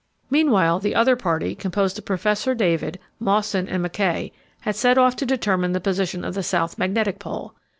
Meanwhile the other party, composed of Professor David, Mawson, and Mackay, had set off to determine the position of the South Magnetic Pole.